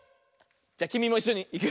じゃきみもいっしょにいくよ。